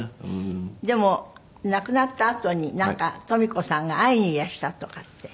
でも亡くなったあとになんかとみ子さんが会いにいらしたとかって。